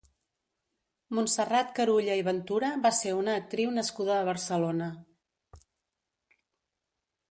Montserrat Carulla i Ventura va ser una actriu nascuda a Barcelona.